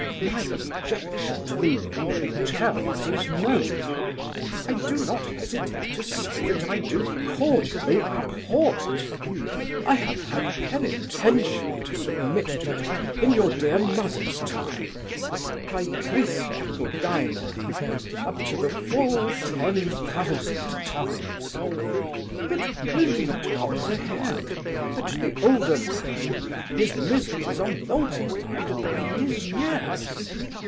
My objection to the living in hotels is known. I do not hesitate to say that I do cordially abhor it. I have had penitentially to submit to it in your dear mother's time, [Greek], up to the full ten thousand times. But will you not comprehend that to the older man his miseries are multiplied by his years?